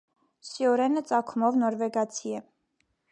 Սյորենը ծագումով նորվեգացի է։